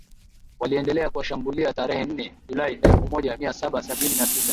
waliendelea kuwashambulia Tarehe nne Julai elfumoja miasaba sabini na sita